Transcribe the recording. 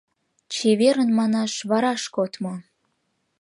«Чеверын» манаш вараш кодмо